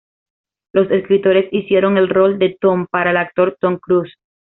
Los escritores hicieron el rol de Tom para el actor Tom Cruise.